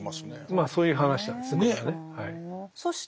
まあそういう話なんですねこれはね。